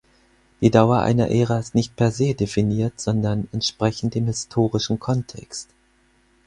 Die Dauer einer Ära ist nicht per se definiert, sondern entsprechend dem historischen Kontext.